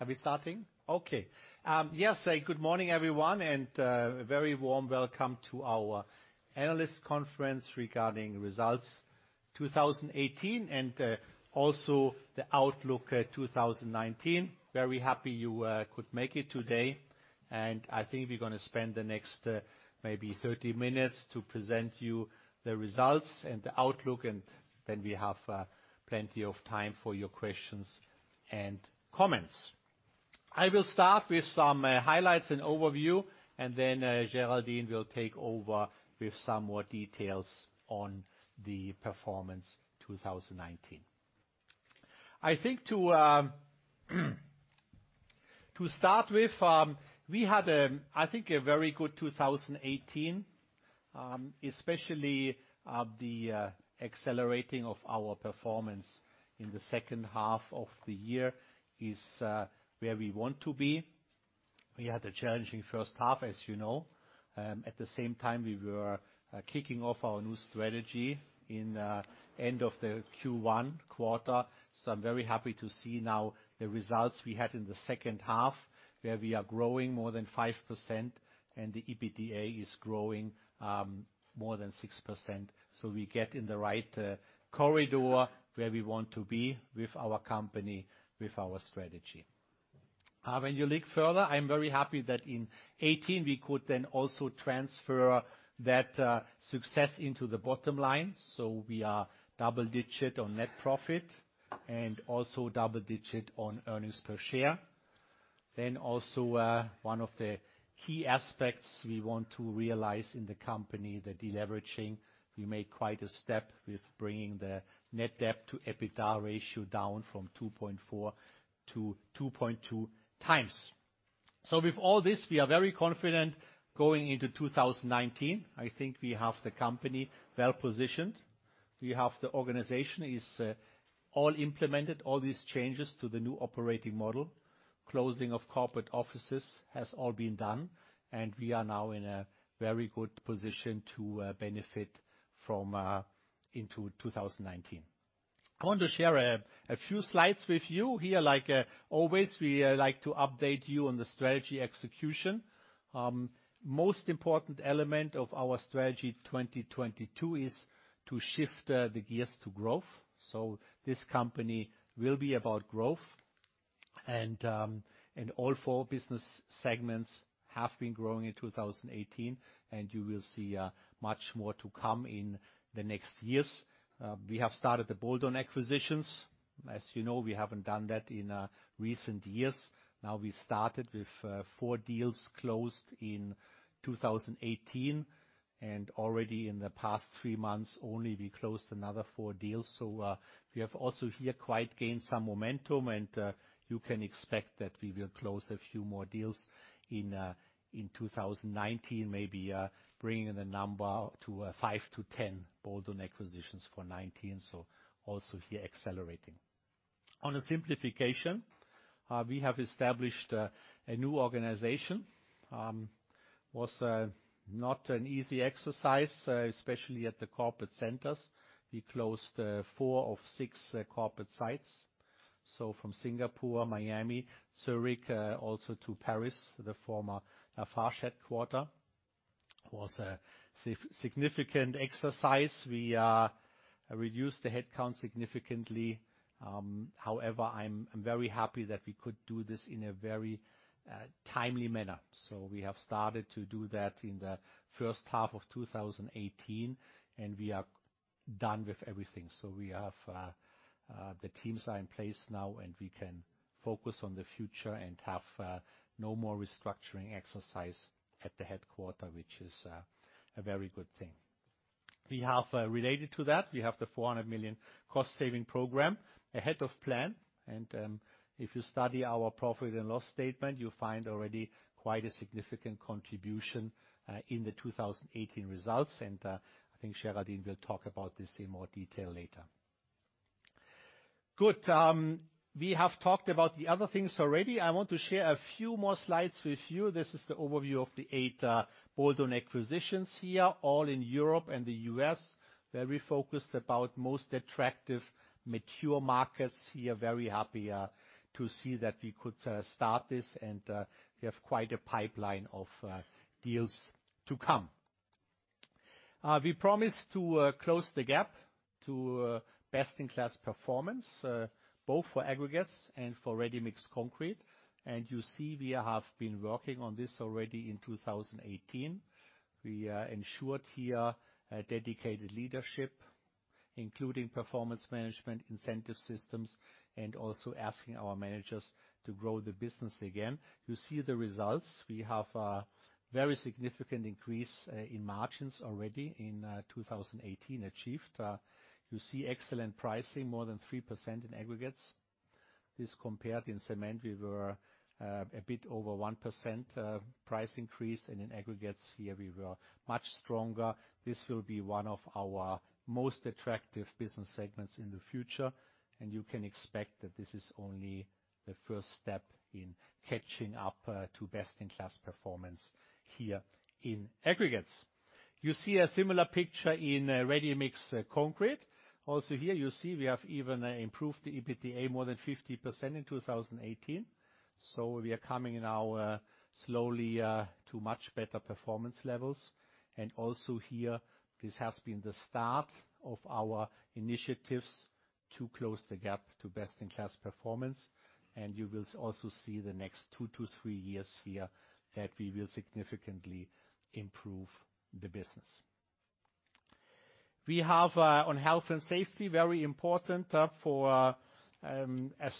Are we starting? Okay. Yes. Good morning, everyone, and a very warm welcome to our analyst conference regarding results 2018 and also the outlook 2019. Very happy you could make it today. I think we're going to spend the next maybe 30 minutes to present you the results and the outlook, and then we have plenty of time for your questions and comments. I will start with some highlights and overview, and then Géraldine will take over with some more details on the performance 2019. I think to start with, we had a very good 2018, especially the accelerating of our performance in the second half of the year is where we want to be. We had a challenging first half, as you know. At the same time, we were kicking off our new strategy in end of the Q1 quarter. I'm very happy to see now the results we had in the second half, where we are growing more than 5% and the EBITDA is growing more than 6%. We get in the right corridor where we want to be with our company, with our strategy. When you look further, I'm very happy that in 2018, we could also transfer that success into the bottom line. We are double digit on net profit and also double digit on earnings per share. Also one of the key aspects we want to realize in the company, the deleveraging. We made quite a step with bringing the net debt to EBITDA ratio down from 2.4 to 2.2 times. With all this, we are very confident going into 2019. I think we have the company well-positioned. We have the organization is all implemented, all these changes to the new operating model. Closing of corporate offices has all been done, and we are now in a very good position to benefit from into 2019. I want to share a few slides with you here. Like always, we like to update you on the strategy execution. Most important element of our Strategy 2022 is to shift the gears to growth. This company will be about growth and all four business segments have been growing in 2018, and you will see much more to come in the next years. We have started the bolt-on acquisitions. As you know, we haven't done that in recent years. Now we started with four deals closed in 2018, and already in the past three months only, we closed another four deals. We have also here quite gained some momentum, and you can expect that we will close a few more deals in 2019, maybe bringing the number to a 5 to 10 bolt-on acquisitions for 2019. Also here accelerating. On a simplification, we have established a new organization. Was not an easy exercise, especially at the corporate centers. We closed four of six corporate sites. From Singapore, Miami, Zurich, also to Paris, the former Lafarge headquarter, was a significant exercise. We reduced the headcount significantly. However, I'm very happy that we could do this in a very timely manner. We have started to do that in the first half of 2018, and we are done with everything. The teams are in place now, and we can focus on the future and have no more restructuring exercise at the headquarter, which is a very good thing. Related to that, we have the 400 million cost saving program ahead of plan. If you study our profit and loss statement, you'll find already quite a significant contribution in the 2018 results. I think Géraldine will talk about this in more detail later. Good. We have talked about the other things already. I want to share a few more slides with you. This is the overview of the eight bolt-on acquisitions here, all in Europe and the U.S. Very focused about most attractive mature markets here. Very happy to see that we could start this, and we have quite a pipeline of deals to come. We promise to close the gap to best-in-class performance, both for aggregates and for ready-mix concrete. You see we have been working on this already in 2018. We ensured here a dedicated leadership, including performance management, incentive systems, and also asking our managers to grow the business again. You see the results. We have a very significant increase in margins already in 2018 achieved. You see excellent pricing, more than 3% in aggregates. This compared in cement, we were a bit over 1% price increase. In aggregates here, we were much stronger. This will be one of our most attractive business segments in the future, and you can expect that this is only the first step in catching up to best-in-class performance here in aggregates. You see a similar picture in ready-mix concrete. Also here you see we have even improved the EBITDA more than 50% in 2018. We are coming now slowly to much better performance levels. Also here, this has been the start of our initiatives to close the gap to best-in-class performance. You will also see the next two to three years here that we will significantly improve the business. On health and safety, very important for a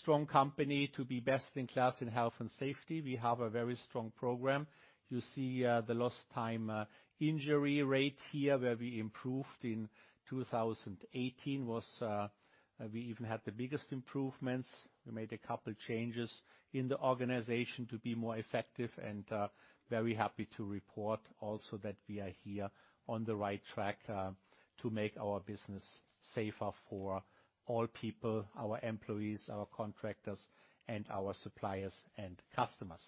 strong company to be best in class in health and safety. We have a very strong program. You see the lost time injury rate here, where we improved in 2018. We even had the biggest improvements. We made a couple changes in the organization to be more effective and very happy to report also that we are here on the right track to make our business safer for all people, our employees, our contractors, and our suppliers and customers.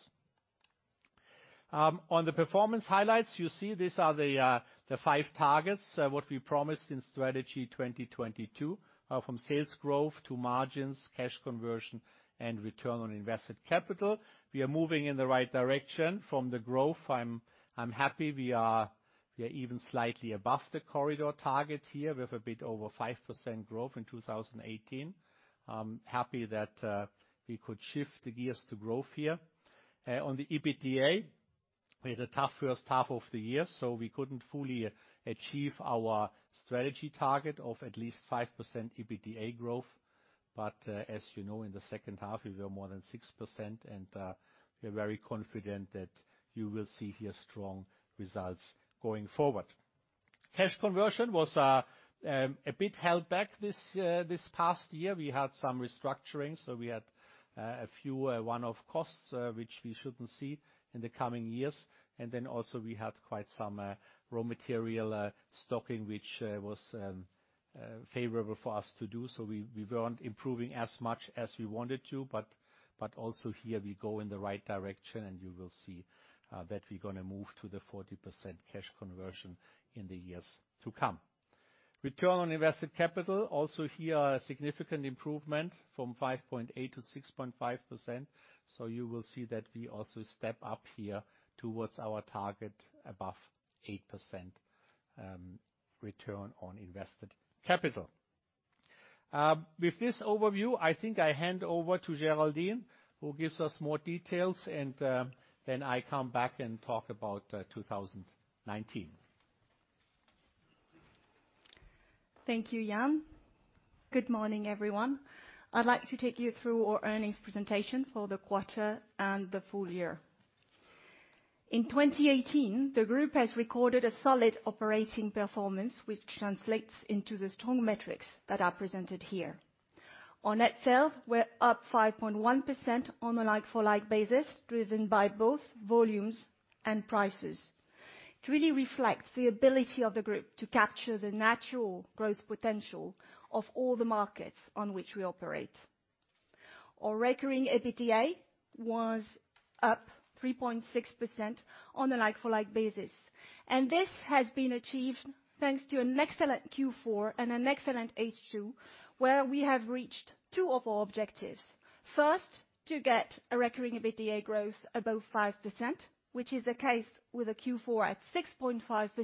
On the performance highlights, you see these are the five targets. What we promised in Strategy 2022, from sales growth to margins, cash conversion, and return on invested capital. We are moving in the right direction. From the growth, I'm happy we are even slightly above the corridor target here. We have a bit over 5% growth in 2018. I'm happy that we could shift the gears to growth here. On the EBITDA, we had a tough first half of the year. We couldn't fully achieve our strategy target of at least 5% EBITDA growth. As you know, in the second half, we were more than 6%, and we're very confident that you will see here strong results going forward. Cash conversion was a bit held back this past year. We had some restructuring. We had a few one-off costs, which we shouldn't see in the coming years. Also we had quite some raw material stocking, which was favorable for us to do. We weren't improving as much as we wanted to, but also here we go in the right direction, and you will see that we're going to move to the 40% cash conversion in the years to come. Return on invested capital, also here, a significant improvement from 5.8%-6.5%. You will see that we also step up here towards our target above 8% return on invested capital. With this overview, I think I hand over to Géraldine, who gives us more details, and then I come back and talk about 2019. Thank you, Jan. Good morning, everyone. I'd like to take you through our earnings presentation for the quarter and the full year. In 2018, the group has recorded a solid operating performance, which translates into the strong metrics that are presented here. On net sales, we're up 5.1% on a like-for-like basis, driven by both volumes and prices. It really reflects the ability of the group to capture the natural growth potential of all the markets on which we operate. Our recurring EBITDA was up 3.6% on a like-for-like basis, and this has been achieved thanks to an excellent Q4 and an excellent H2, where we have reached two of our objectives. First, to get a recurring EBITDA growth above 5%, which is the case with a Q4 at 6.5%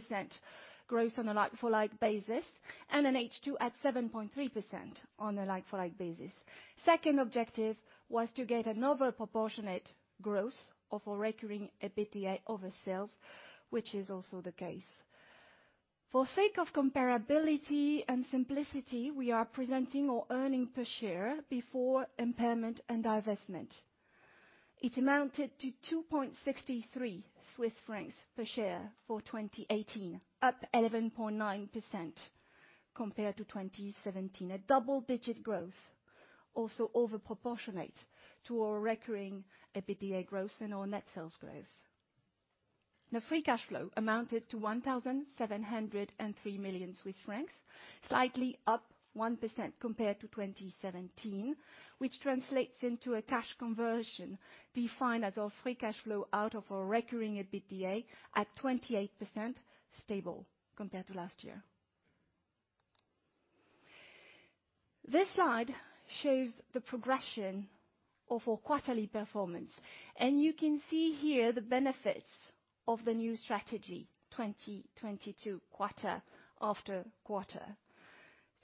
growth on a like-for-like basis, and an H2 at 7.3% on a like-for-like basis. Second objective was to get an overproportionate growth of our recurring EBITDA over sales, which is also the case. For sake of comparability and simplicity, we are presenting our earnings per share before impairment and divestment. It amounted to 2.63 Swiss francs per share for 2018, up 11.9% compared to 2017. A double-digit growth, also overproportionate to our recurring EBITDA growth and our net sales growth. The free cash flow amounted to 1,703 million Swiss francs, slightly up 1% compared to 2017, which translates into a cash conversion defined as our free cash flow out of our recurring EBITDA at 28%, stable compared to last year. This slide shows the progression of our quarterly performance, and you can see here the benefits of the new Strategy 2022, quarter after quarter.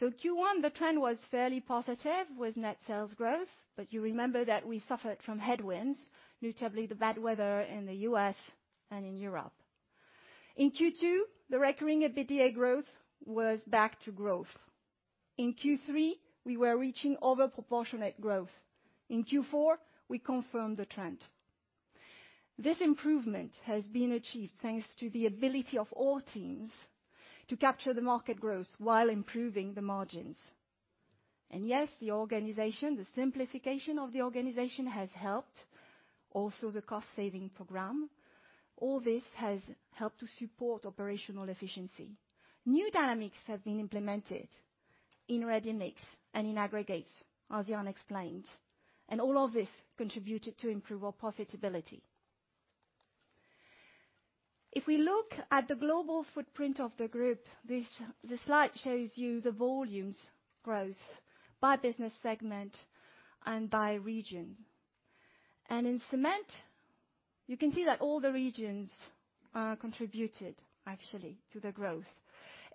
Q1, the trend was fairly positive with net sales growth, but you remember that we suffered from headwinds, notably the bad weather in the U.S. and in Europe. In Q2, the recurring EBITDA growth was back to growth. In Q3, we were reaching overproportionate growth. In Q4, we confirmed the trend. This improvement has been achieved thanks to the ability of all teams to capture the market growth while improving the margins. Yes, the organization, the simplification of the organization has helped. Also, the cost-saving program. All this has helped to support operational efficiency. New dynamics have been implemented in ready-mix and in aggregates, as Jan explained. All of this contributed to improve our profitability. If we look at the global footprint of the group, this slide shows you the volumes growth by business segment and by region. In cement, you can see that all the regions contributed actually to the growth.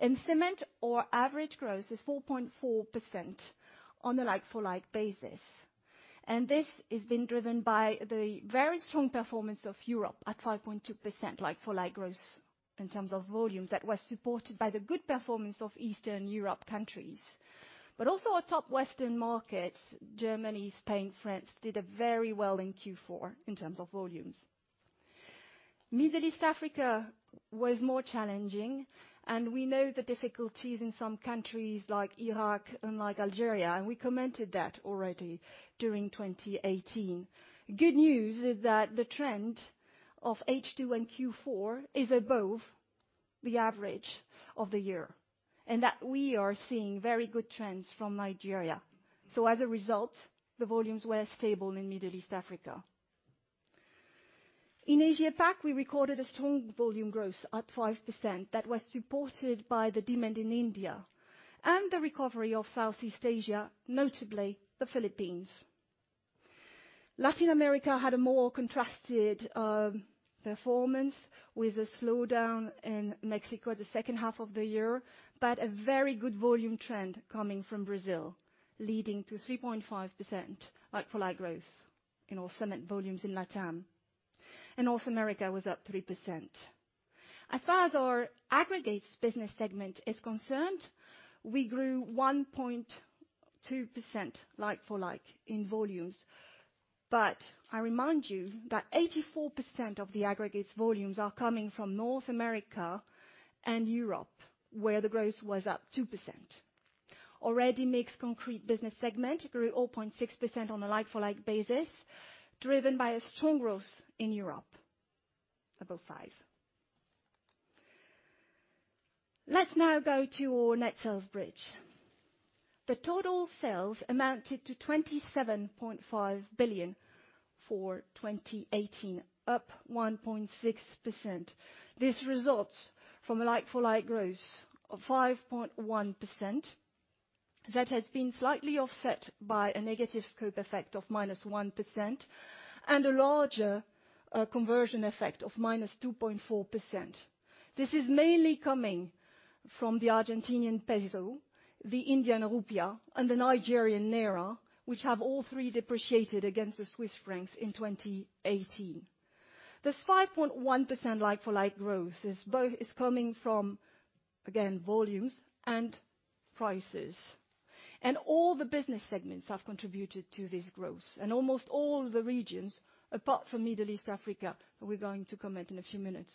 In cement, our average growth is 4.4% on a like-for-like basis. This has been driven by the very strong performance of Europe at 5.2% like-for-like growth in terms of volumes, that was supported by the good performance of Eastern Europe countries. Also our top Western markets, Germany, Spain, France, did very well in Q4 in terms of volumes. Middle East, Africa was more challenging, and we know the difficulties in some countries like Iraq and like Algeria, and we commented that already during 2018. Good news is the trend of H2 and Q4 is above the average of the year, and that we are seeing very good trends from Nigeria. As a result, the volumes were stable in Middle East, Africa. In Asia, PAC, we recorded a strong volume growth at 5% that was supported by the demand in India and the recovery of Southeast Asia, notably the Philippines. Latin America had a more contrasted performance with a slowdown in Mexico the second half of the year, but a very good volume trend coming from Brazil, leading to 3.5% like-for-like growth in all cement volumes in LATAM. North America was up 3%. As far as our aggregates business segment is concerned, we grew 1.2% like-for-like in volumes. I remind you that 84% of the aggregates volumes are coming from North America and Europe, where the growth was up 2%. Our ready-mix concrete business segment grew 0.6% on a like-for-like basis, driven by a strong growth in Europe, above five. Let's now go to our net sales bridge. The total sales amounted to 27.5 billion for 2018, up 1.6%. This results from a like-for-like growth of 5.1% that has been slightly offset by a negative scope effect of -1% and a larger conversion effect of -2.4%. This is mainly coming from the Argentinian peso, the Indian rupee, and the Nigerian naira, which have all three depreciated against the CHF in 2018. This 5.1% like-for-like growth is coming from, again, volumes and prices. All the business segments have contributed to this growth, and almost all the regions, apart from Middle East, Africa, we're going to comment in a few minutes.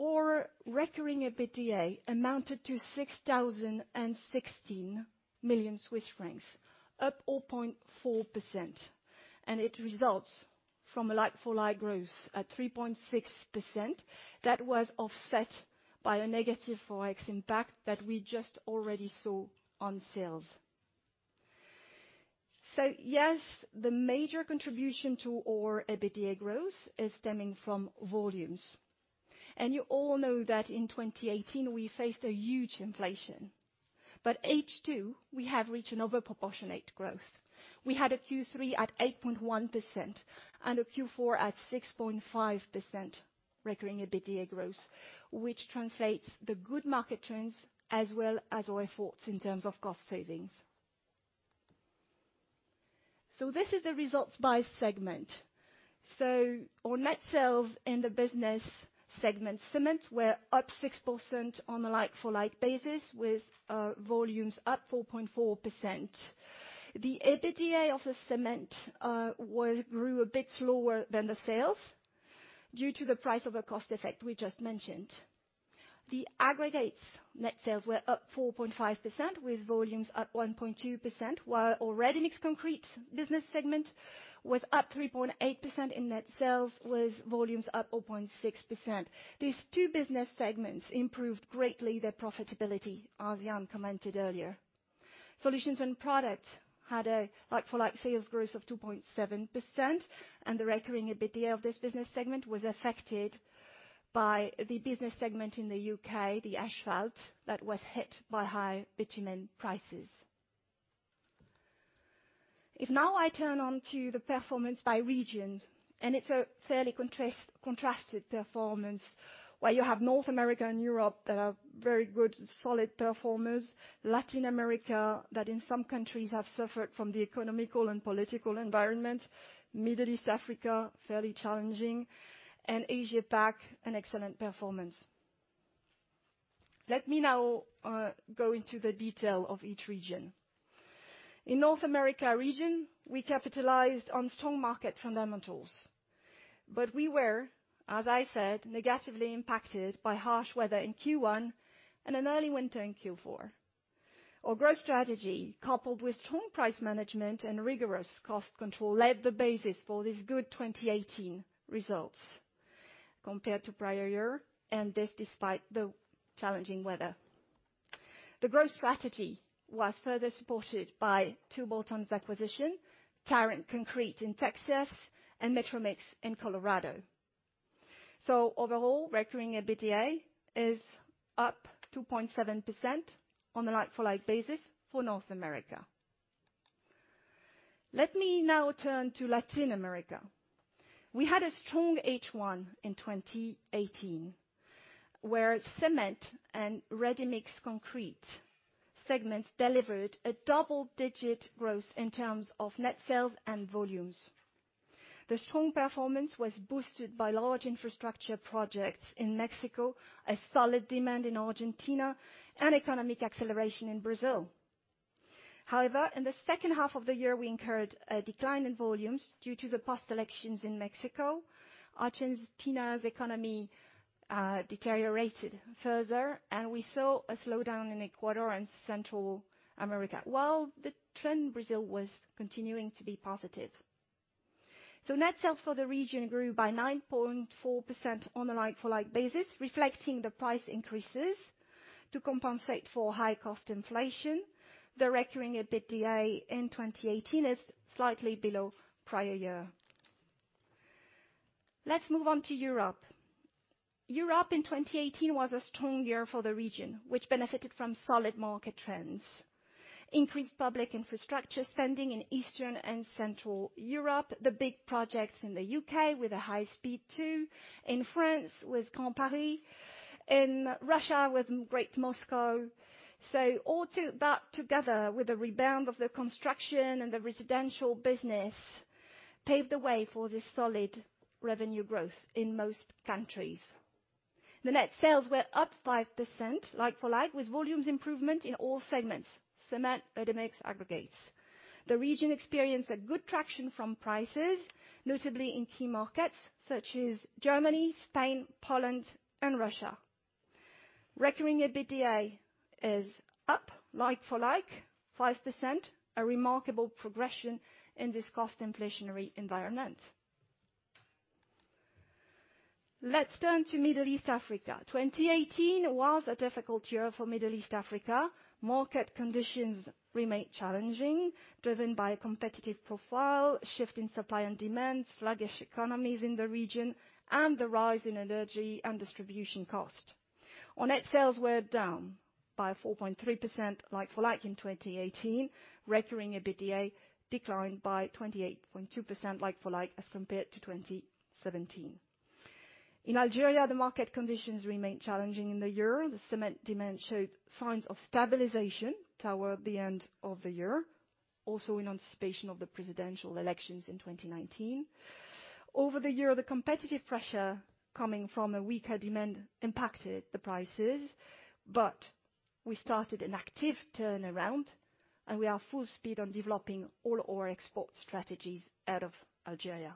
Our recurring EBITDA amounted to 6,016 million Swiss francs, up 0.4%, and it results from a like-for-like growth at 3.6% that was offset by a negative FX impact that we just already saw on sales. Yes, the major contribution to our EBITDA growth is stemming from volumes. You all know that in 2018 we faced a huge inflation. H2, we have reached an over proportionate growth. We had a Q3 at 8.1% and a Q4 at 6.5% recurring EBITDA growth, which translates the good market trends as well as our efforts in terms of cost savings. This is the results by segment. Our net sales in the business segment cement were up 6% on a like-for-like basis with volumes up 4.4%. The EBITDA of the cement grew a bit slower than the sales due to the price over cost effect we just mentioned. The aggregates net sales were up 4.5% with volumes up 1.2%, while our ready-mix concrete business segment was up 3.8% in net sales with volumes up 0.6%. These two business segments improved greatly their profitability, as Jan commented earlier. Solutions and products had a like-for-like sales growth of 2.7%. The recurring EBITDA of this business segment was affected by the business segment in the U.K., the asphalt, that was hit by high bitumen prices. Now I turn on to the performance by region. It's a fairly contrasted performance, where you have North America and Europe that are very good solid performers. Latin America, that in some countries have suffered from the economical and political environment. Middle East, Africa, fairly challenging. Asia, PAC, an excellent performance. Let me now go into the detail of each region. In North America region, we capitalized on strong market fundamentals. We were, as I said, negatively impacted by harsh weather in Q1 and an early winter in Q4. Our growth strategy, coupled with strong price management and rigorous cost control, laid the basis for these good 2018 results compared to prior year, this despite the challenging weather. The growth strategy was further supported by two bolt-ons acquisition, Tarrant Concrete in Texas and Metro Mix in Colorado. Overall, recurring EBITDA is up 2.7% on a like-for-like basis for North America. Let me now turn to Latin America. We had a strong H1 in 2018, where cement and ready-mix concrete segments delivered a double-digit growth in terms of net sales and volumes. The strong performance was boosted by large infrastructure projects in Mexico, a solid demand in Argentina, and economic acceleration in Brazil. In the second half of the year, we incurred a decline in volumes due to the past elections in Mexico. Argentina's economy deteriorated further. We saw a slowdown in Ecuador and Central America. The trend in Brazil was continuing to be positive. Net sales for the region grew by 9.4% on a like-for-like basis, reflecting the price increases to compensate for high cost inflation. The recurring EBITDA in 2018 is slightly below prior year. Let's move on to Europe. Europe in 2018 was a strong year for the region, which benefited from solid market trends. Increased public infrastructure spending in Eastern and Central Europe, the big projects in the U.K. with High Speed 2, in France with Grand Paris, in Russia with Great Moscow. All that together with a rebound of the construction and the residential business, paved the way for this solid revenue growth in most countries. The net sales were up 5% like-for-like, with volumes improvement in all segments: cement, ready-mix, aggregates. The region experienced a good traction from prices, notably in key markets such as Germany, Spain, Poland, and Russia. Recurring EBITDA is up like-for-like 5%, a remarkable progression in this cost inflationary environment. Let's turn to Middle East, Africa. 2018 was a difficult year for Middle East, Africa. Market conditions remain challenging, driven by a competitive profile, shift in supply and demand, sluggish economies in the region, and the rise in energy and distribution cost. Our net sales were down by 4.3% like-for-like in 2018. Recurring EBITDA declined by 28.2% like-for-like as compared to 2017. In Algeria, the market conditions remained challenging in the year. The cement demand showed signs of stabilization toward the end of the year. Also in anticipation of the presidential elections in 2019. Over the year, the competitive pressure coming from a weaker demand impacted the prices. We started an active turnaround, and we are full speed on developing all our export strategies out of Algeria.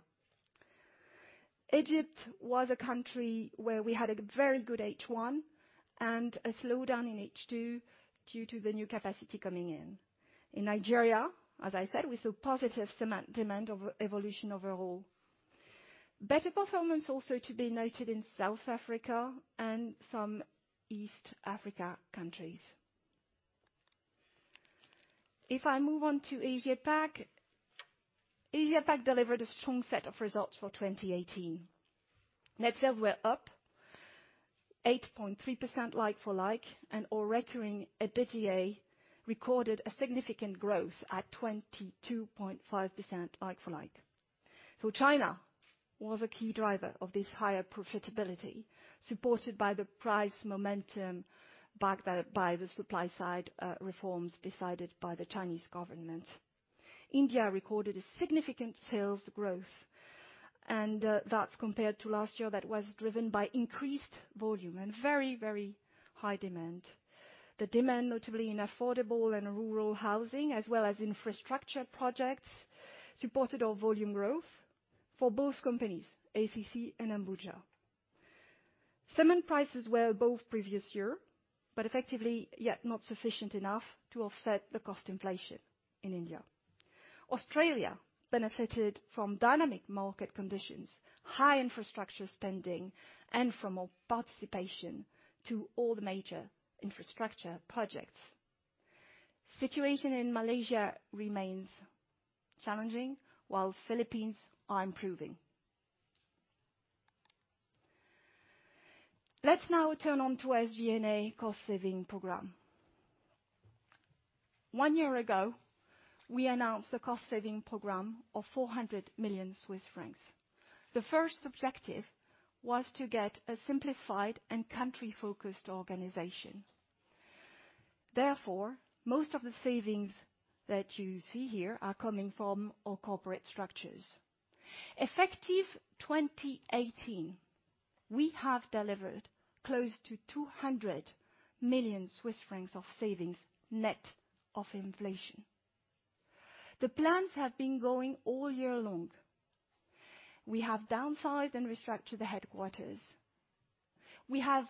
Egypt was a country where we had a very good H1 and a slowdown in H2 due to the new capacity coming in. In Nigeria, as I said, we saw positive cement demand evolution overall. Better performance also to be noted in South Africa and some East Africa countries. If I move on to Asia Pac, Asia Pac delivered a strong set of results for 2018. Net sales were up 8.3% like-for-like, and our recurring EBITDA recorded a significant growth at 22.5% like-for-like. China was a key driver of this higher profitability, supported by the price momentum backed by the supply side reforms decided by the Chinese government. India recorded a significant sales growth, and that's compared to last year that was driven by increased volume and very high demand. The demand, notably in affordable and rural housing, as well as infrastructure projects, supported our volume growth for both companies, ACC and Ambuja. Cement prices were above previous year. Effectively yet not sufficient enough to offset the cost inflation in India. Australia benefited from dynamic market conditions, high infrastructure spending, and from a participation to all the major infrastructure projects. Situation in Malaysia remains challenging, while Philippines are improving. Let's now turn on to SG&A cost saving program. One year ago, we announced a cost saving program of 400 million Swiss francs. The first objective was to get a simplified and country-focused organization. Therefore, most of the savings that you see here are coming from our corporate structures. Effective 2018, we have delivered close to 200 million Swiss francs of savings net of inflation. The plans have been going all year long. We have downsized and restructured the headquarters. We have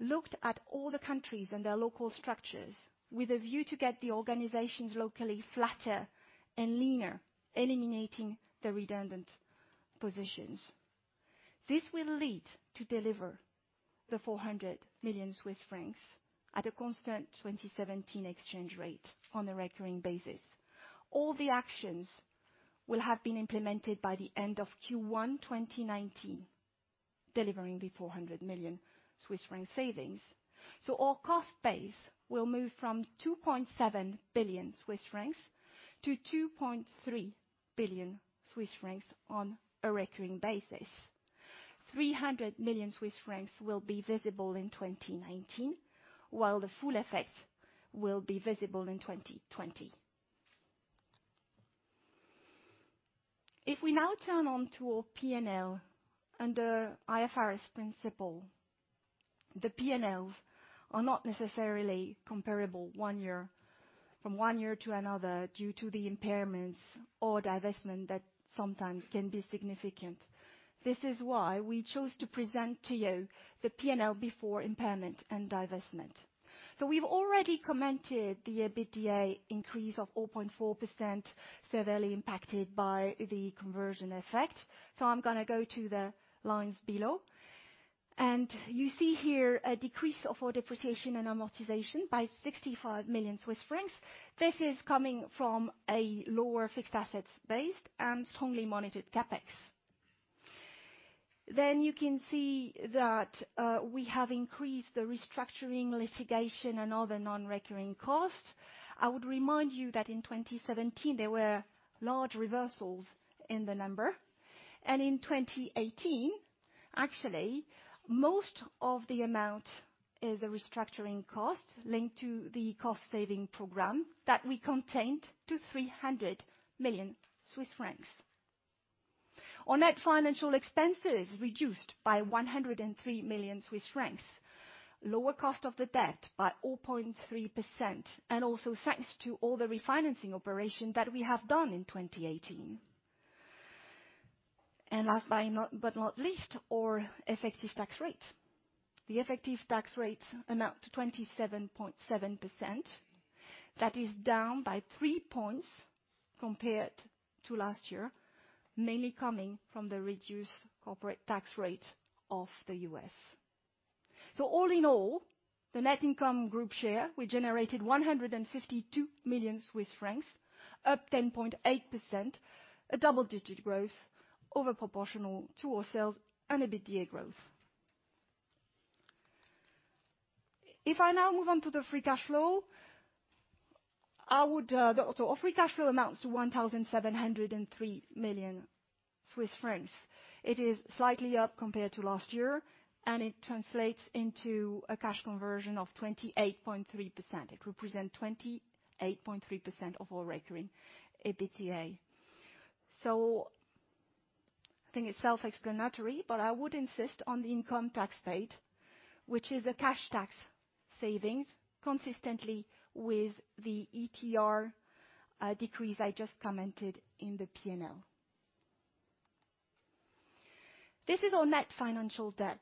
looked at all the countries and their local structures with a view to get the organizations locally flatter and leaner, eliminating the redundant positions. This will lead to deliver the 400 million Swiss francs at a constant 2017 exchange rate on a recurring basis. All the actions will have been implemented by the end of Q1 2019, delivering the 400 million Swiss franc savings. Our cost base will move from 2.7 billion Swiss francs to 2.3 billion Swiss francs on a recurring basis. 300 million Swiss francs will be visible in 2019, while the full effect will be visible in 2020. If we now turn onto our P&L under IFRS principle, the P&Ls are not necessarily comparable from one year to another due to the impairments or divestment that sometimes can be significant. This is why we chose to present to you the P&L before impairment and divestment. We've already commented the EBITDA increase of 0.4%, severely impacted by the conversion effect. I'm going to go to the lines below. You see here a decrease of our depreciation and amortization by 65 million Swiss francs. This is coming from a lower fixed assets base and strongly monitored CapEx. You can see that we have increased the restructuring, litigation and other non-recurring costs. I would remind you that in 2017, there were large reversals in the number. In 2018, actually, most of the amount is the restructuring cost linked to the cost-saving program that we contained to 300 million Swiss francs. Our net financial expenses reduced by 103 million Swiss francs, lower cost of the debt by 0.3%, and also thanks to all the refinancing operation that we have done in 2018. Last but not least, our effective tax rate. The effective tax rate amount to 27.7%. That is down by three points compared to last year, mainly coming from the reduced corporate tax rate of the U.S. All in all, the net income group share, we generated 152 million Swiss francs, up 10.8%, a double-digit growth over proportional to our sales and EBITDA growth. If I now move on to the free cash flow. Our free cash flow amounts to 1,703 million Swiss francs. It is slightly up compared to last year, and it translates into a cash conversion of 28.3%. It represent 28.3% of our recurring EBITDA. I think it's self-explanatory, but I would insist on the income tax rate, which is a cash tax savings consistently with the ETR decrease I just commented in the P&L. This is our net financial debt.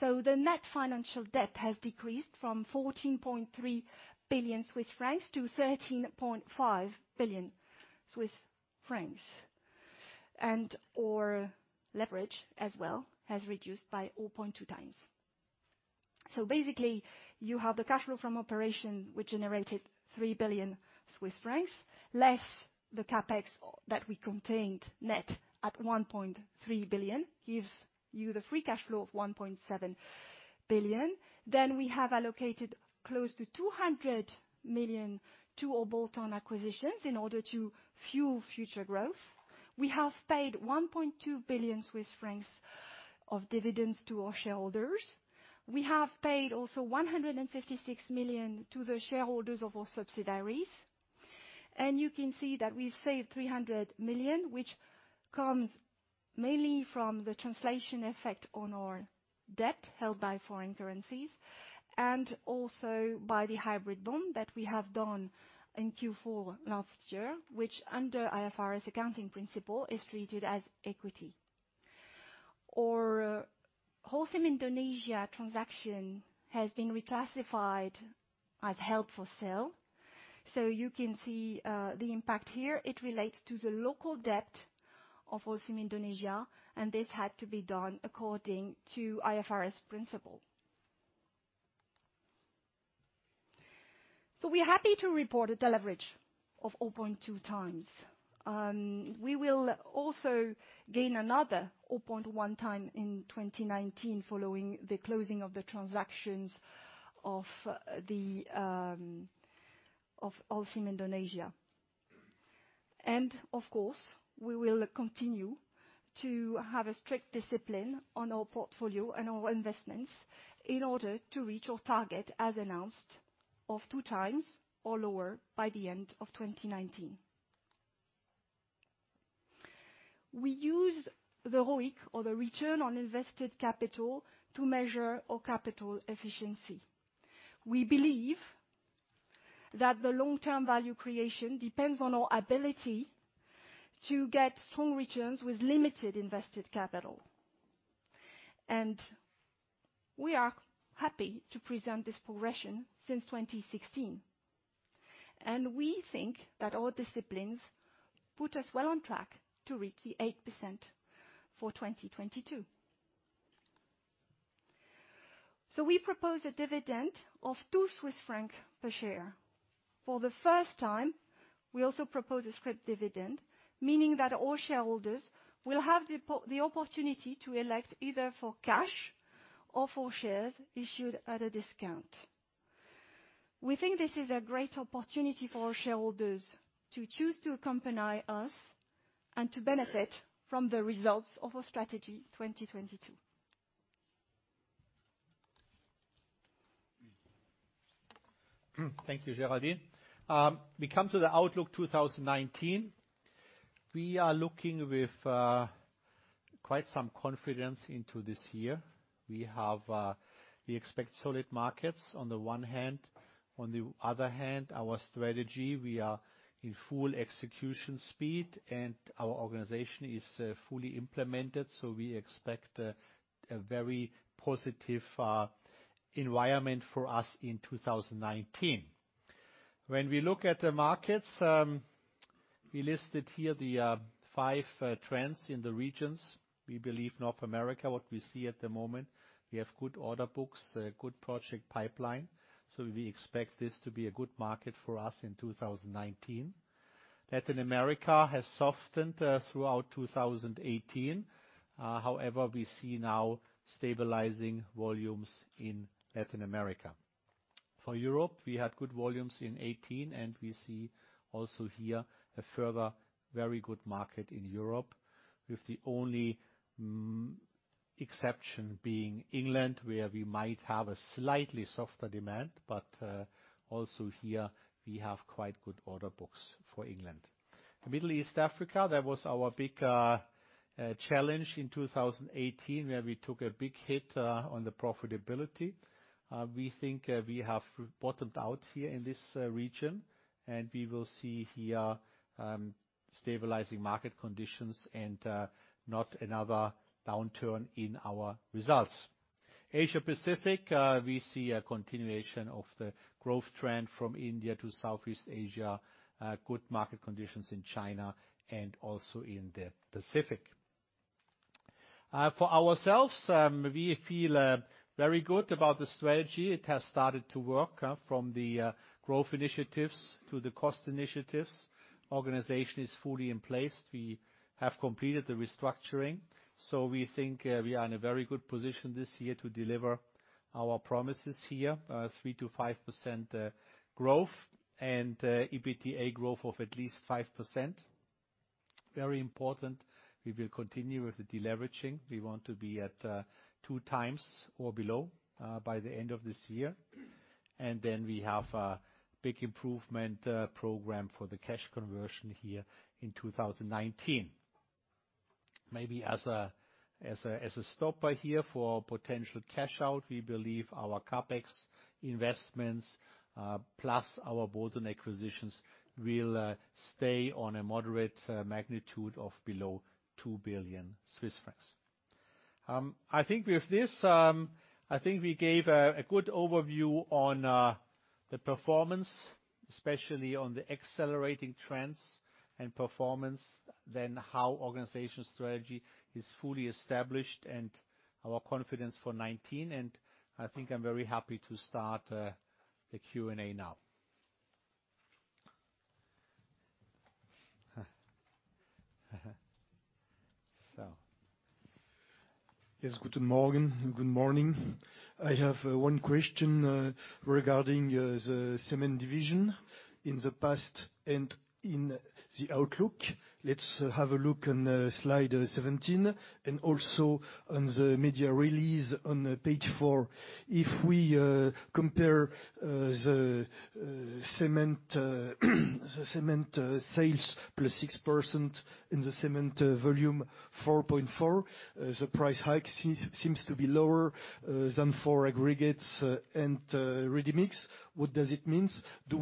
The net financial debt has decreased from 14.3 billion Swiss francs to 13.5 billion Swiss francs. Our leverage as well has reduced by 0.2 times. Basically, you have the cash flow from operation which generated 3 billion Swiss francs, less the CapEx that we contained net at 1.3 billion, gives you the free cash flow of 1.7 billion. We have allocated close to 200 million to our bolt-on acquisitions in order to fuel future growth. We have paid 1.2 billion Swiss francs of dividends to our shareholders. We have paid also 156 million to the shareholders of our subsidiaries. You can see that we've saved 300 million, which comes mainly from the translation effect on our debt held by foreign currencies, and also by the hybrid bond that we have done in Q4 last year, which under IFRS accounting principle is treated as equity. Our Holcim Indonesia transaction has been reclassified as held for sale. You can see the impact here. It relates to the local debt of Holcim Indonesia, and this had to be done according to IFRS principle. We are happy to report a deleverage of 0.2 times. We will also gain another 0.1 time in 2019 following the closing of the transactions of Holcim Indonesia. Of course, we will continue to have a strict discipline on our portfolio and our investments in order to reach our target as announced of two times or lower by the end of 2019. We use the ROIC or the return on invested capital to measure our capital efficiency. We believe that the long-term value creation depends on our ability to get strong returns with limited invested capital. We are happy to present this progression since 2016. We think that our disciplines put us well on track to reach the 8% for 2022. We propose a dividend of 2 Swiss francs per share. For the first time, we also propose a scrip dividend, meaning that all shareholders will have the opportunity to elect either for cash or for shares issued at a discount. We think this is a great opportunity for our shareholders to choose to accompany us and to benefit from the results of our Strategy 2022. Thank you, Géraldine. We come to the outlook 2019. We are looking with quite some confidence into this year. We expect solid markets on the one hand, on the other hand, our strategy, we are in full execution speed, and our organization is fully implemented. We expect a very positive environment for us in 2019. When we look at the markets, we listed here the five trends in the regions. We believe North America, what we see at the moment, we have good order books, good project pipeline. We expect this to be a good market for us in 2019. Latin America has softened throughout 2018. However, we see now stabilizing volumes in Latin America. For Europe, we had good volumes in 2018. We see also here a further very good market in Europe, with the only exception being England, where we might have a slightly softer demand. Also here, we have quite good order books for England. The Middle East, Africa, that was our big challenge in 2018, where we took a big hit on the profitability. We think we have bottomed out here in this region. We will see here stabilizing market conditions and not another downturn in our results. Asia Pacific, we see a continuation of the growth trend from India to Southeast Asia, good market conditions in China and also in the Pacific. For ourselves, we feel very good about the strategy. It has started to work from the growth initiatives to the cost initiatives. Organization is fully in place. We have completed the restructuring. We think we are in a very good position this year to deliver our promises here, 3%-5% growth and EBITDA growth of at least 5%. Very important, we will continue with the deleveraging. We want to be at two times or below by the end of this year. We have a big improvement program for the cash conversion here in 2019. Maybe as a stopper here for potential cash out, we believe our CapEx investments, plus our bolt-on acquisitions, will stay on a moderate magnitude of below 2 billion Swiss francs. I think with this, we gave a good overview on the performance, especially on the accelerating trends and performance, how organization strategy is fully established and our confidence for 2019. I think I'm very happy to start the Q&A now. Yes. Good morning. I have one question regarding the cement division in the past and in the outlook. Let's have a look on slide 17 and also on the media release on page four. If we compare the cement sales +6% in the cement volume 4.4, the price hike seems to be lower than for aggregates and ready-mix. What does it mean? Did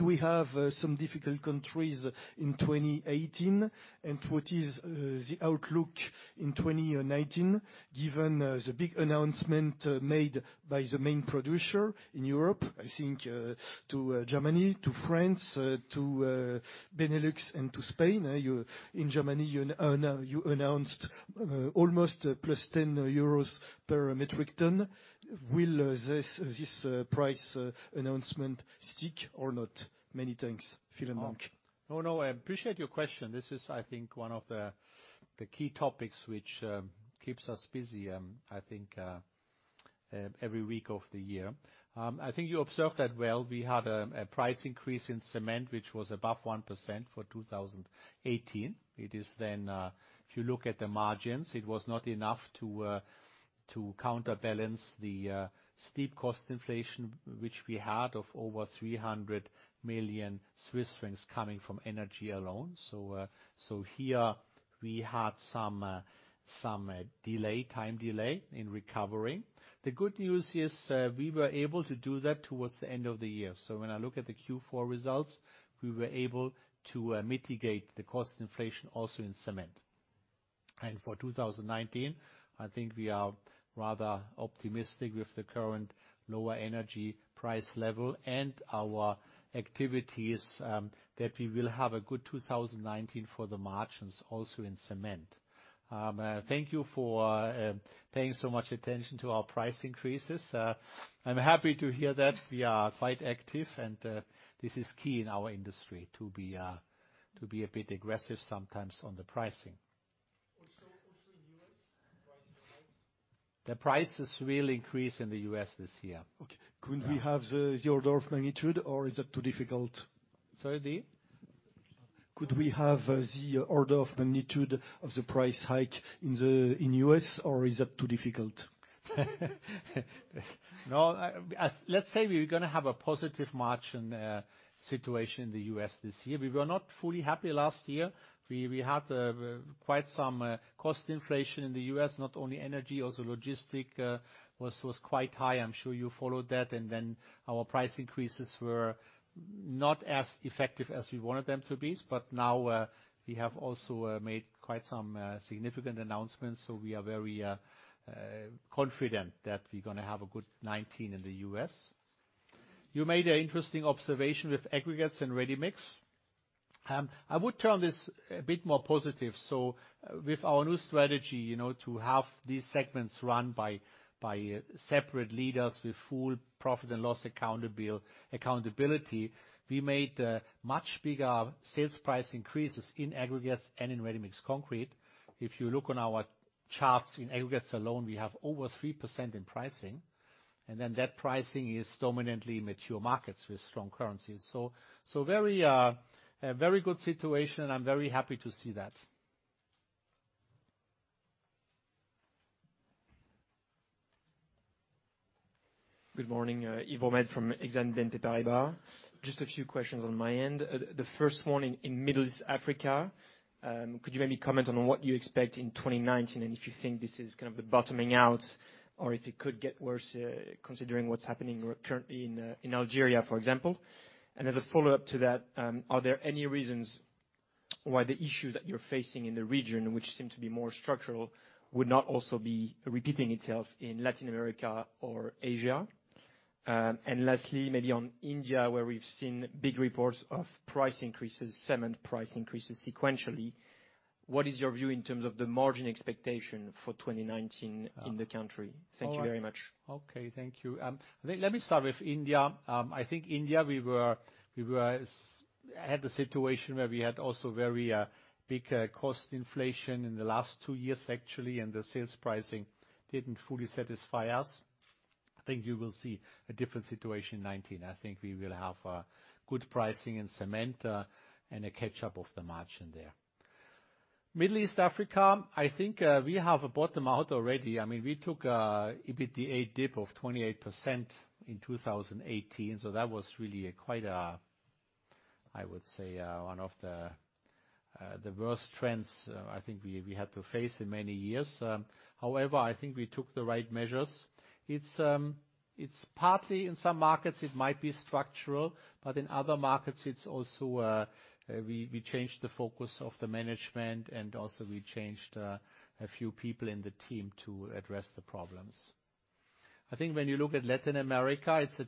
we have some difficult countries in 2018? What is the outlook in 2019 given the big announcement made by the main producer in Europe? I think to Germany, to France, to Benelux and to Spain. In Germany, you announced almost +€10 per metric ton. Will this price announcement stick or not? Many thanks. Oh, no, I appreciate your question. This is, I think, one of the key topics which keeps us busy, I think, every week of the year. I think you observed that well. We had a price increase in cement, which was above 1% for 2018. If you look at the margins, it was not enough to counterbalance the steep cost inflation, which we had of over 300 million Swiss francs coming from energy alone. Here we had some time delay in recovering. The good news is, we were able to do that towards the end of the year. When I look at the Q4 results, we were able to mitigate the cost inflation also in cement. For 2019, I think we are rather optimistic with the current lower energy price level and our activities, that we will have a good 2019 for the margins also in cement. Thank you for paying so much attention to our price increases. I'm happy to hear that we are quite active and, this is key in our industry to be a bit aggressive sometimes on the pricing. Also in the U.S., price rise? The prices will increase in the U.S. this year. Could we have the order of magnitude or is that too difficult? Sorry. Could we have the order of magnitude of the price hike in U.S. or is that too difficult? Let's say we're going to have a positive margin situation in the U.S. this year. We were not fully happy last year. We had quite some cost inflation in the U.S., not only energy, also logistic was quite high. I'm sure you followed that, our price increases were not as effective as we wanted them to be. Now we have also made quite some significant announcements, we are very confident that we're going to have a good 2019 in the U.S. You made an interesting observation with aggregates and ready-mix. I would turn this a bit more positive. With our new strategy to have these segments run by separate leaders with full profit and loss accountability, we made much bigger sales price increases in aggregates and in ready-mix concrete. If you look on our charts, in aggregates alone, we have over 3% in pricing, that pricing is dominantly mature markets with strong currencies. A very good situation, I am very happy to see that. Good morning. [inaudible] Just a few questions on my end. The first one in Middle East Africa. Could you maybe comment on what you expect in 2019, if you think this is kind of the bottoming out or if it could get worse considering what is happening currently in Algeria, for example? As a follow-up to that, are there any reasons why the issue that you are facing in the region, which seem to be more structural, would not also be repeating itself in Latin America or Asia? Lastly, maybe on India, where we have seen big reports of price increases, cement price increases sequentially. What is your view in terms of the margin expectation for 2019 in the country? Thank you very much. Okay. Thank you. Let me start with India. I think India, we had a situation where we had also very big cost inflation in the last two years, actually, the sales pricing did not fully satisfy us. I think you will see a different situation in 2019. I think we will have a good pricing in cement and a catch-up of the margin there. Middle East Africa, I think we have a bottom out already. We took an EBITDA dip of 28% in 2018, that was really, I would say one of the worst trends I think we had to face in many years. However, I think we took the right measures. It is partly in some markets, it might be structural, in other markets it is also we changed the focus of the management and also we changed a few people in the team to address the problems. I think when you look at Latin America, it is a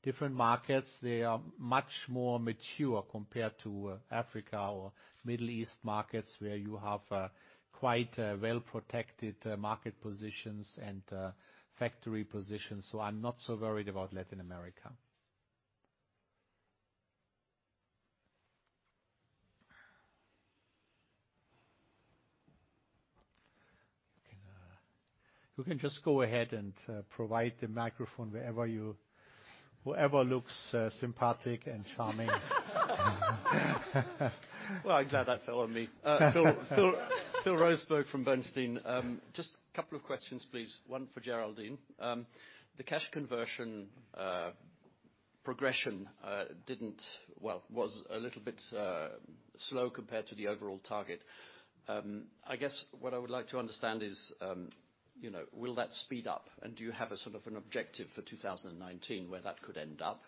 different markets. They are much more mature compared to Africa or Middle East markets, where you have quite a well-protected market positions and factory positions. I am not so worried about Latin America. You can just go ahead and provide the microphone wherever whoever looks sympathetic and charming. Well, I'm glad that fell on me. Phil Roseberg from Bernstein. Just a couple of questions, please. One for Géraldine. The cash conversion progression was a little bit slow compared to the overall target. I guess what I would like to understand is, will that speed up and do you have a sort of an objective for 2019 where that could end up?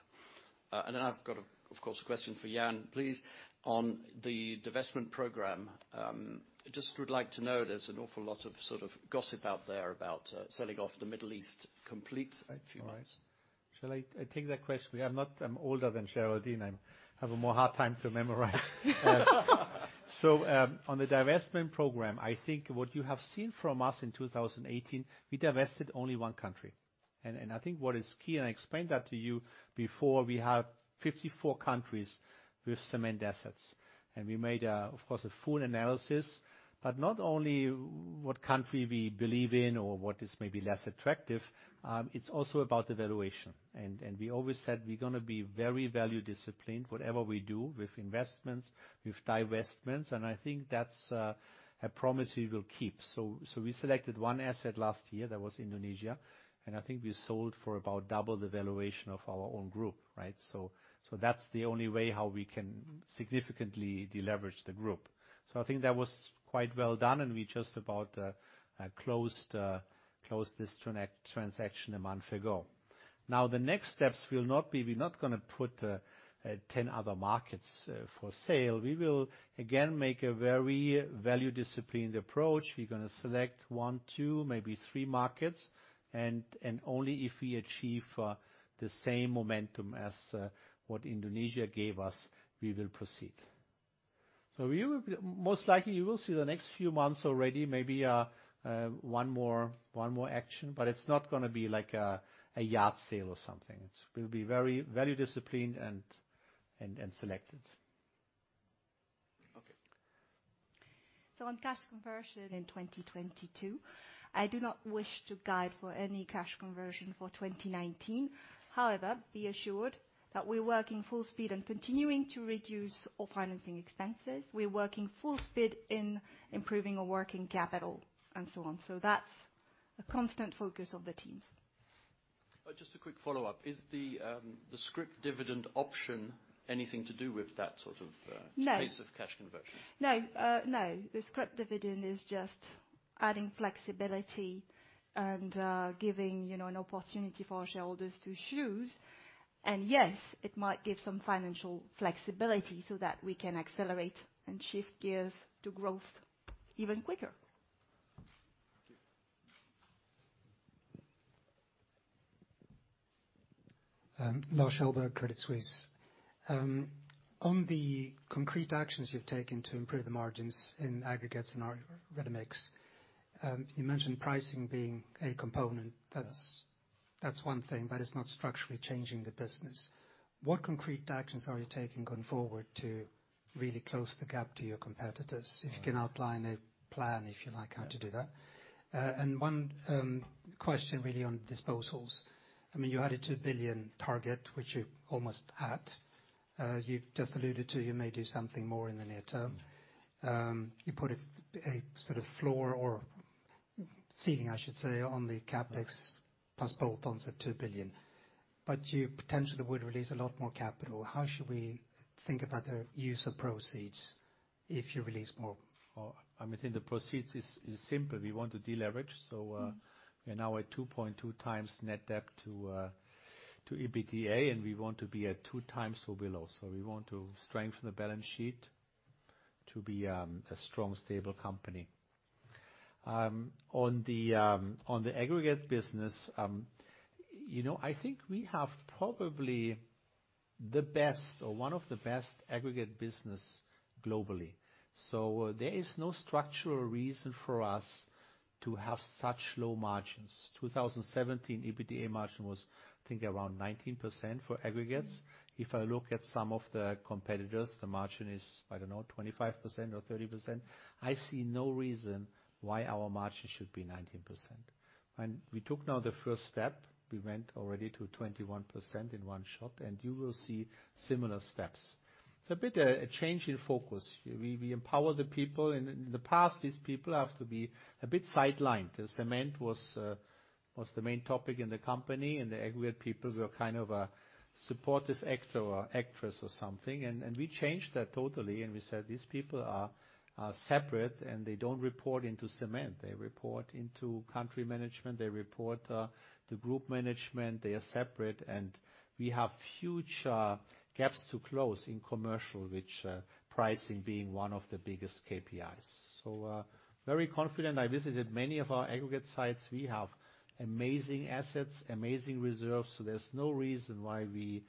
I've got, of course, a question for Jan, please. On the divestment program, just would like to know, there's an awful lot of sort of gossip out there about selling off the Middle East complete. Few words. Shall I take that question? I'm older than Géraldine. I have a more hard time to memorize. On the divestment program, I think what you have seen from us in 2018, we divested only one country. I think what is key, and I explained that to you before, we have 54 countries with cement assets and we made, of course, a full analysis, but not only what country we believe in or what is maybe less attractive, it's also about the valuation. We always said we're going to be very value-disciplined, whatever we do with investments, with divestments, and I think that's a promise we will keep. We selected one asset last year, that was Indonesia, and I think we sold for about double the valuation of our own group, right? That's the only way how we can significantly de-leverage the group. I think that was quite well done, and we just about closed this transaction a month ago. The next steps will not be, we're not going to put 10 other markets for sale. We will, again, make a very value-disciplined approach. We're going to select one, two, maybe three markets, and only if we achieve the same momentum as what Indonesia gave us, we will proceed. Most likely you will see the next few months already, maybe one more action, but it's not going to be like a yacht sale or something. It will be very disciplined and selected. Okay. On cash conversion in 2022, I do not wish to guide for any cash conversion for 2019. However, be assured that we're working full speed and continuing to reduce all financing expenses. We're working full speed in improving our working capital and so on. That's a constant focus of the teams. Just a quick follow-up. Is the scrip dividend option anything to do with that? No pace of cash conversion? No. The scrip dividend is just adding flexibility and giving an opportunity for our shareholders to choose. Yes, it might give some financial flexibility so that we can accelerate and shift gears to growth even quicker. Thank you. Lars Kjellberg, Credit Suisse. On the concrete actions you've taken to improve the margins in aggregates and ready-mix, you mentioned pricing being a component. That's one thing, but it's not structurally changing the business. What concrete actions are you taking going forward to really close the gap to your competitors? If you can outline a plan, if you like, how to do that. Yeah. One question, really, on disposals. You had a 2 billion target, which you're almost at. You just alluded to, you may do something more in the near term. You put a floor or ceiling, I should say, on the CapEx plus bolt-ons at 2 billion. You potentially would release a lot more capital. How should we think about the use of proceeds if you release more? I mean, think the proceeds is simple. We want to de-leverage, so we are now at 2.2 times net debt to EBITDA, and we want to be at 2 times or below. We want to strengthen the balance sheet to be a strong, stable company. On the aggregate business, I think we have probably the best or one of the best aggregate business globally. There is no structural reason for us to have such low margins. 2017 EBITDA margin was, I think, around 19% for aggregates. If I look at some of the competitors, the margin is, I don't know, 25% or 30%. I see no reason why our margin should be 19%. We took now the first step. We went already to 21% in one shot, and you will see similar steps. It's a bit a change in focus. We empower the people. In the past, these people have to be a bit sidelined. The cement was the main topic in the company, and the aggregate people were a supportive actor or actress or something. We changed that totally, and we said these people are separate, and they don't report into cement. They report into country management. They report to group management. They are separate. We have huge gaps to close in commercial, which pricing being one of the biggest KPIs. Very confident. I visited many of our aggregate sites. We have amazing assets, amazing reserves. There's no reason why we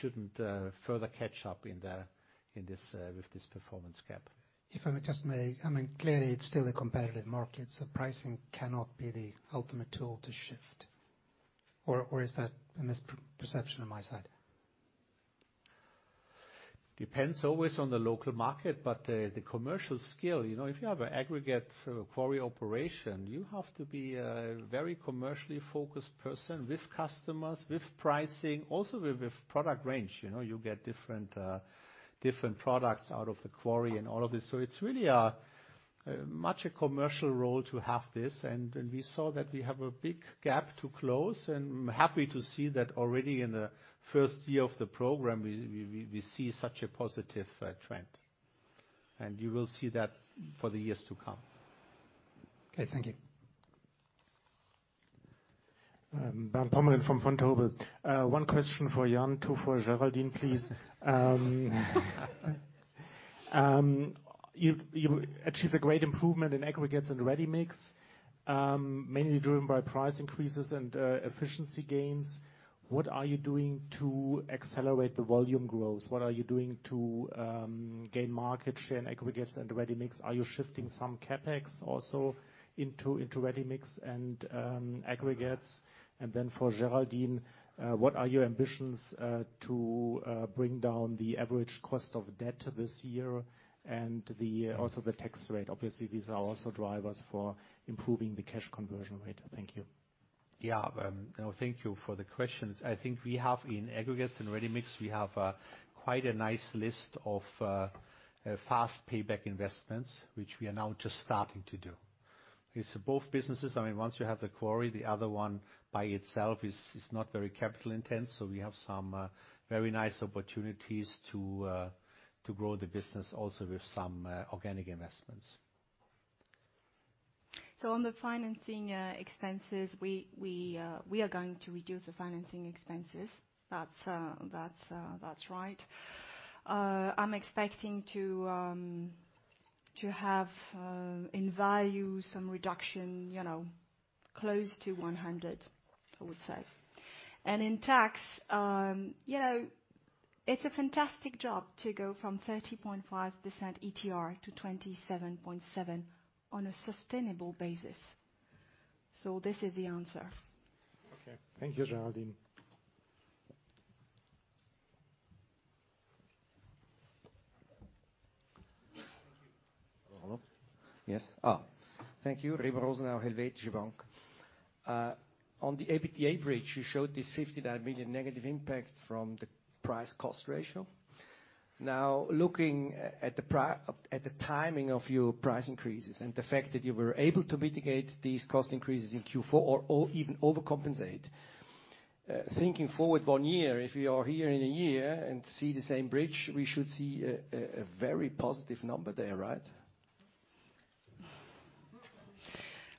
shouldn't further catch up with this performance gap. If I may just may. Clearly, it's still a competitive market, pricing cannot be the ultimate tool to shift. Is that a misperception on my side? Depends always on the local market, the commercial skill, if you have an aggregate quarry operation, you have to be a very commercially focused person with customers, with pricing, also with product range. You'll get different products out of the quarry and all of this. It's really much a commercial role to have this, and we saw that we have a big gap to close, and I'm happy to see that already in the first year of the Program, we see such a positive trend. You will see that for the years to come. Okay. Thank you. Bernd Pomrehn from Vontobel. One question for Jan, two for Géraldine, please. You achieve a great improvement in aggregates and ready-mix, mainly driven by price increases and efficiency gains. What are you doing to accelerate the volume growth? What are you doing to gain market share in aggregates and ready-mix? Are you shifting some CapEx also into ready-mix and aggregates? Then for Géraldine, what are your ambitions to bring down the average cost of debt this year and also the tax rate? Obviously, these are also drivers for improving the cash conversion rate. Thank you. Yeah. Thank you for the questions. I think we have in aggregates and ready-mix, we have quite a nice list of fast payback investments, which we are now just starting to do. Both businesses, once you have the quarry, the other one by itself is not very capital intense. We have some very nice opportunities to grow the business also with some organic investments. On the financing expenses, we are going to reduce the financing expenses. That's right. I am expecting to have, in value, some reduction, close to 100, I would say. In tax, it's a fantastic job to go from 30.5% ETR to 27.7% on a sustainable basis. This is the answer. Okay. Thank you, Géraldine. Thank you. Hello? Yes. Thank you. Remo Rosenau, Helvetische Bank. On the EBITDA bridge, you showed this 59 million negative impact from the price cost ratio. Looking at the timing of your price increases and the fact that you were able to mitigate these cost increases in Q4 or even overcompensate, thinking forward one year, if we are here in a year and see the same bridge, we should see a very positive number there, right?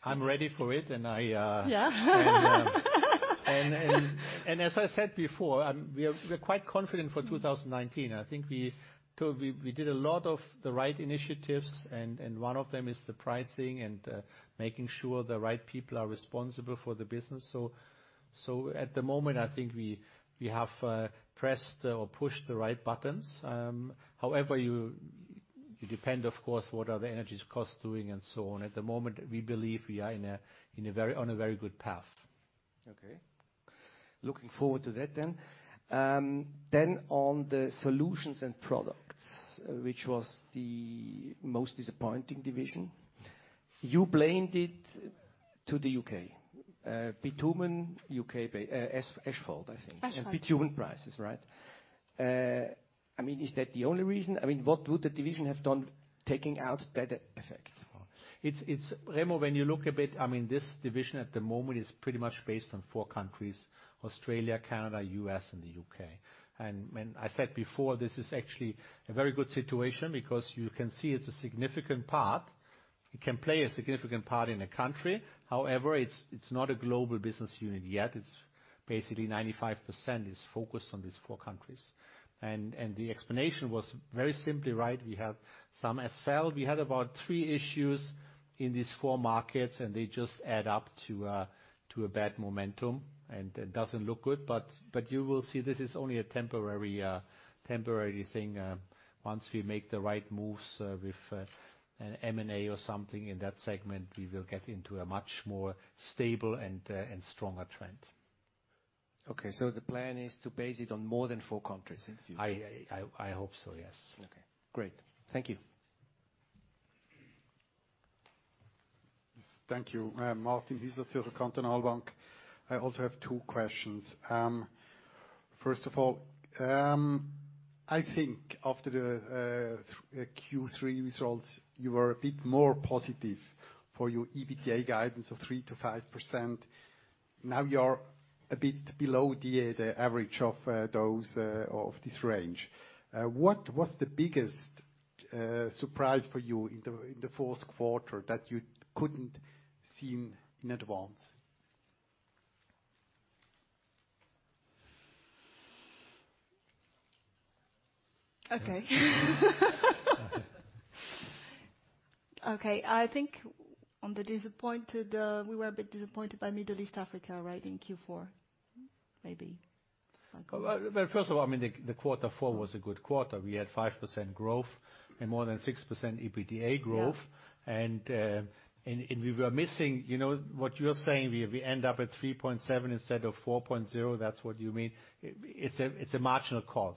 I'm ready for it. Yeah. As I said before, we're quite confident for 2019. I think we did a lot of the right initiatives, and one of them is the pricing and making sure the right people are responsible for the business. At the moment, I think we have pressed or pushed the right buttons. However, you depend, of course, what are the energy costs doing and so on. At the moment, we believe we are on a very good path. Okay. Looking forward to that then. On the solutions and products, which was the most disappointing division, you blamed it to the U.K. bitumen, U.K., asphalt, I think. Asphalt. Bitumen prices, right? Is that the only reason? What would the division have done taking out that effect? Remo, when you look a bit, this division at the moment is pretty much based on four countries, Australia, Canada, U.S., and the U.K. I said before, this is actually a very good situation because you can see it's a significant part. It can play a significant part in a country. However, it's not a global business unit yet. It's basically 95% is focused on these four countries. The explanation was very simply right. We had some SFL. We had about three issues in these four markets, and they just add up to a bad momentum, and it doesn't look good. You will see this is only a temporary thing. Once we make the right moves with an M&A or something in that segment, we will get into a much more stable and stronger trend. Okay. The plan is to base it on more than four countries in future. I hope so, yes. Okay, great. Thank you. Thank you. Martin Hüsler, Zürcher Kantonalbank. I also have two questions. First of all, I think after the Q3 results, you were a bit more positive for your EBITDA guidance of 3%-5%. Now you are a bit below the average of those, of this range. What was the biggest surprise for you in the fourth quarter that you couldn't see in advance? Okay. Okay, I think we were a bit disappointed by Middle East Africa, right, in Q4. Maybe. Well, first of all, the quarter four was a good quarter. We had 5% growth and more than 6% EBITDA growth. Yeah. We were missing, what you're saying, we end up at 3.7 instead of 4.0. That's what you mean. It's a marginal call.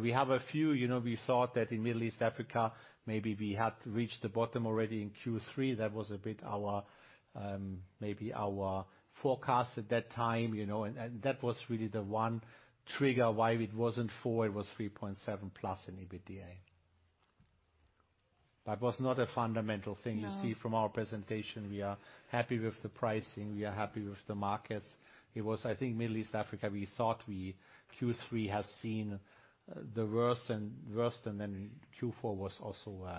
We have a few, we thought that in Middle East Africa, maybe we had reached the bottom already in Q3. That was a bit maybe our forecast at that time. That was really the one trigger why it wasn't four, it was 3.7 plus in EBITDA. That was not a fundamental thing. No. You see from our presentation, we are happy with the pricing. We are happy with the markets. It was, I think, Middle East Africa, we thought Q3 has seen the worst, and then Q4 was also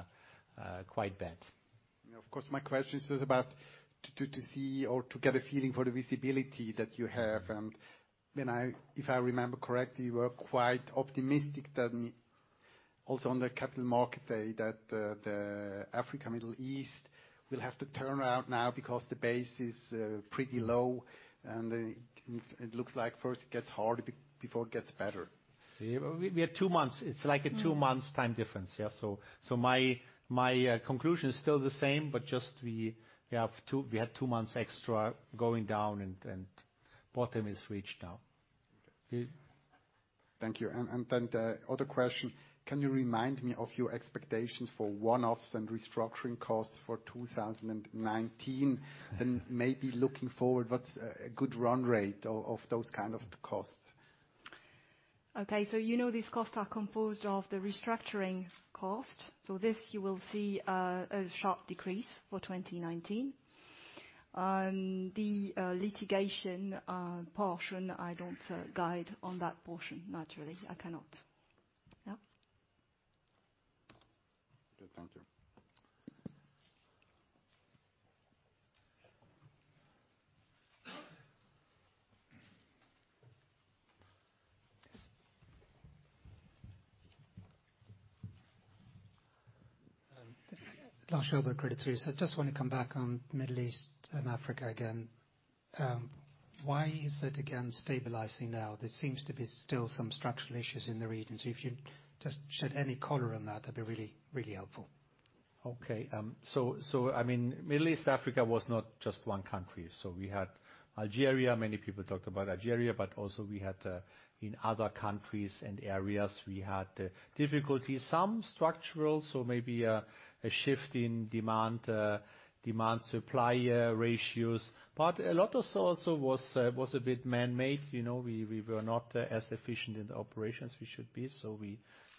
quite bad. Of course, my question is just about to see or to get a feeling for the visibility that you have. If I remember correctly, you were quite optimistic then, also on the capital market day, that the Africa, Middle East will have to turn around now because the base is pretty low, and it looks like first it gets hard before it gets better. We had two months. It's like a two-month time difference. Yeah. My conclusion is still the same, but just we had two months extra going down and bottom is reached now. Thank you. The other question, can you remind me of your expectations for one-offs and restructuring costs for 2019? Maybe looking forward, what's a good run rate of those kind of costs? You know these costs are composed of the restructuring cost. This you will see a sharp decrease for 2019. The litigation portion, I don't guide on that portion, naturally. I cannot. Yeah. Good. Thank you. Lars Credit Suisse. I just want to come back on Middle East and Africa again. Why is it again stabilizing now? There seems to be still some structural issues in the region. If you'd just shed any color on that'd be really helpful. Okay. Middle East, Africa was not just one country. We had Algeria, many people talked about Algeria, but also we had in other countries and areas, we had difficulties. Some structural, maybe a shift in demand supply ratios. A lot of it also was a bit man-made. We were not as efficient in the operations we should be.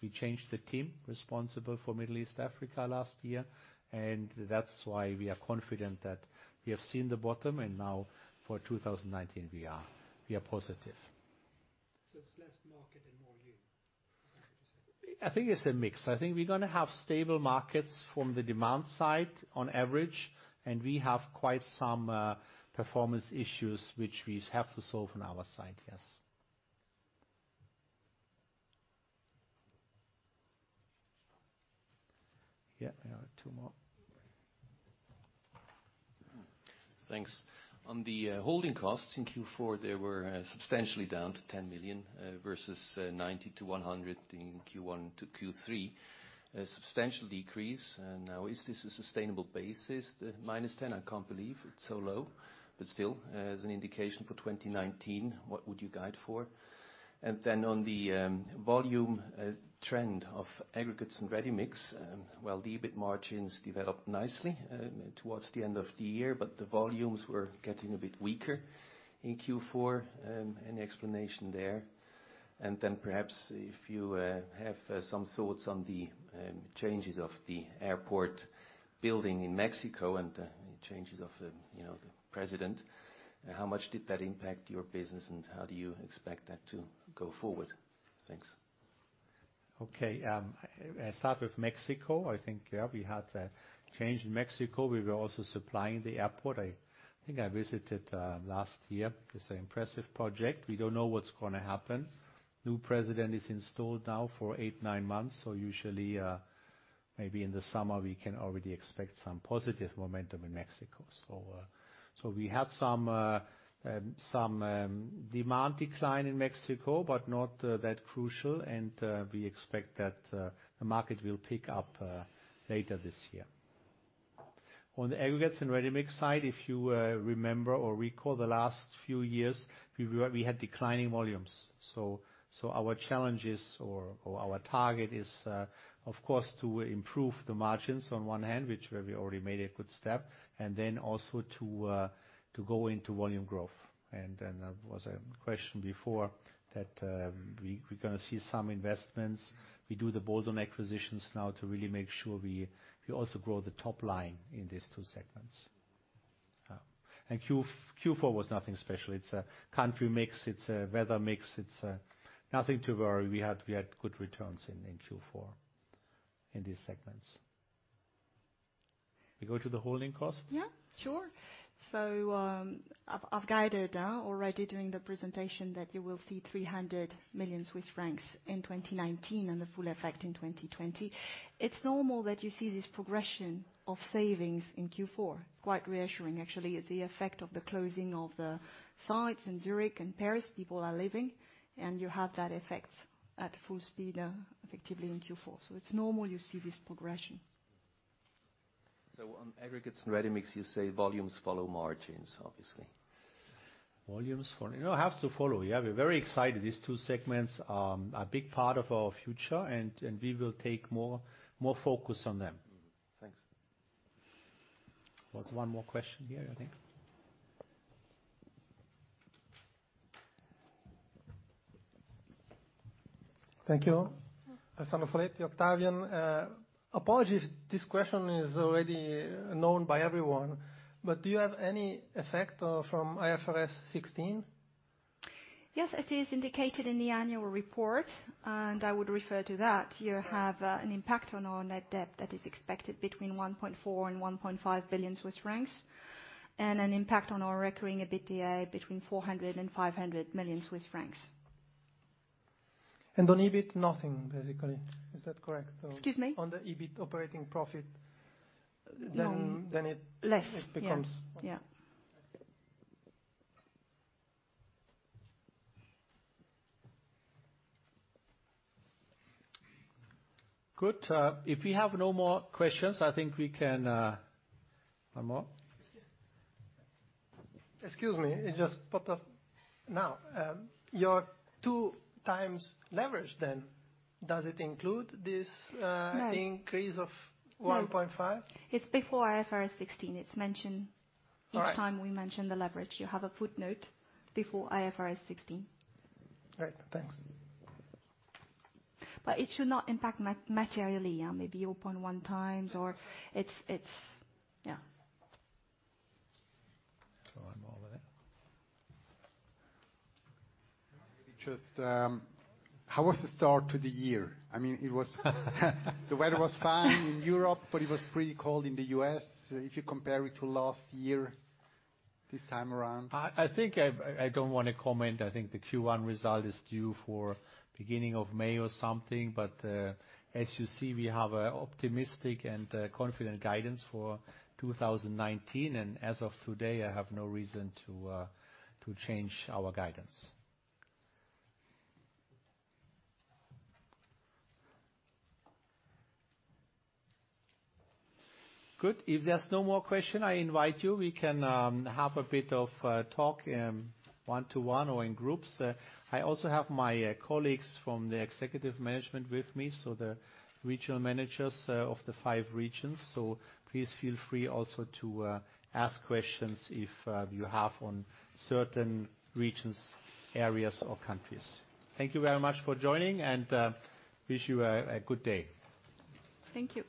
We changed the team responsible for Middle East, Africa last year. That's why we are confident that we have seen the bottom, and now for 2019, we are positive. It's less market and more you, is that what you're saying? I think it's a mix. I think we're going to have stable markets from the demand side on average, we have quite some performance issues which we have to solve on our side. Yes. Two more. Thanks. On the holding costs in Q4, they were substantially down to 10 million, versus 90 to 100 in Q1 to Q3. A substantial decrease. Now is this a sustainable basis? The -10, I can't believe it's so low. Still, as an indication for 2019, what would you guide for? On the volume trend of aggregates and ready-mix, while the EBIT margins developed nicely towards the end of the year, the volumes were getting a bit weaker in Q4. Any explanation there? Perhaps if you have some thoughts on the changes of the airport building in Mexico and the changes of the president. How much did that impact your business, and how do you expect that to go forward? Thanks. Okay. I start with Mexico. We had a change in Mexico. We were also supplying the airport. I visited last year. It's an impressive project. We don't know what's going to happen. New president is installed now for eight, nine months. Usually maybe in the summer, we can already expect some positive momentum in Mexico. We had some demand decline in Mexico, but not that crucial. We expect that the market will pick up later this year. On the aggregates and ready-mix side, if you remember or recall the last few years, we had declining volumes. Our challenges or our target is, of course, to improve the margins on one hand, which we already made a good step, and then also to go into volume growth. There was a question before that we're going to see some investments. We do the bolt-on acquisitions now to really make sure we also grow the top line in these two segments. Q4 was nothing special. It's a country mix. It's a weather mix. It's nothing to worry. We had good returns in Q4 in these segments. We go to the holding cost? Yeah, sure. I've guided already during the presentation that you will see 300 million Swiss francs in 2019 and the full effect in 2020. It's normal that you see this progression of savings in Q4. It's quite reassuring, actually. It's the effect of the closing of the sites in Zurich and Paris. People are leaving, and you have that effect at full speed, effectively in Q4. It's normal you see this progression. On aggregates and ready-mix, you say volumes follow margins, obviously. Volumes follow. No, have to follow. Yeah, we're very excited. These two segments are a big part of our future, and we will take more focus on them. Thanks. There was one more question here, I think. Thank you. Octavian. Apologies if this question is already known by everyone, do you have any effect from IFRS 16? Yes, it is indicated in the annual report, and I would refer to that. You have an impact on our net debt that is expected between 1.4 billion and 1.5 billion Swiss francs, and an impact on our recurring EBITDA between 400 million Swiss francs and 500 million Swiss francs. On EBIT nothing, basically. Is that correct? Excuse me? On the EBIT operating profit. No. it- Less it becomes. Yeah. Good. If we have no more questions, I think we can. One more? Excuse me, it just popped up now. Your two times leverage then, does it include this-? No increase of 1.5? It's before IFRS 16. It's mentioned. All right. each time we mention the leverage. You have a footnote before IFRS 16. All right, thanks. It should not impact materially. Maybe 0.1 times or it's Yeah. One more there. Just, how was the start to the year? The weather was fine in Europe, but it was pretty cold in the U.S. If you compare it to last year, this time around. I think I don't want to comment. I think the Q1 result is due for beginning of May or something. As you see, we have an optimistic and confident guidance for 2019. As of today, I have no reason to change our guidance. Good. If there's no more question, I invite you, we can have a bit of talk one-to-one or in groups. I also have my colleagues from the executive management with me, the regional managers of the five regions. Please feel free also to ask questions if you have on certain regions, areas or countries. Thank you very much for joining and wish you a good day. Thank you.